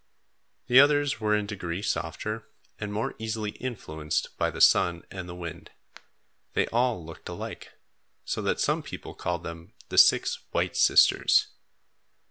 The others were in degree softer and more easily influenced by the sun and the wind. They all looked alike, so that some people called them the Six White Sisters.